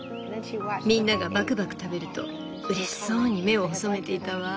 みんながバクバク食べるとうれしそうに目を細めていたわ。